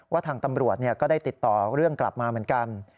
ทางตำรวจก็ได้ติดต่อเรื่องกลับมาเหมือนกัน